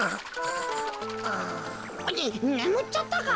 ねむっちゃったか？